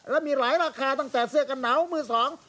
และมีหลายราคาตั้งแต่เสื้อกันหนาวมือสอง